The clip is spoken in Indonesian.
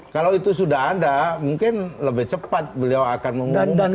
kalau itu sudah ada mungkin lebih cepat beliau akan mengumumkan